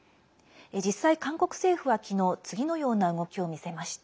実際、韓国政府は昨日次のような動きを見せました。